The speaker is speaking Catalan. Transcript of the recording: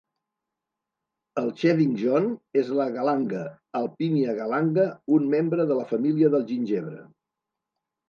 El "Chewing John" és la galanga, "Alpinia galanga", un membre de la família del gingebre.